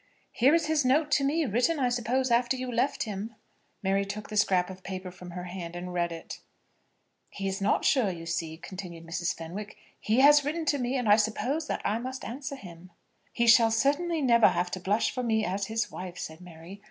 "Here is his note to me, written, I suppose, after you left him." Mary took the scrap of paper from her hand and read it. "He is not sure, you see," continued Mrs. Fenwick. "He has written to me, and I suppose that I must answer him." "He shall certainly never have to blush for me as his wife," said Mary.